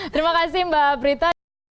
terima kasih mbak prita